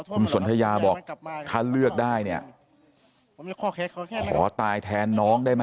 คุณสนทยาบอกถ้าเลือกได้เนี่ยขอตายแทนน้องได้ไหม